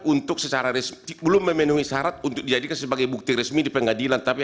untuk secara resmi belum memenuhi syarat untuk dijadikan sebagai bukti resmi di pengadilan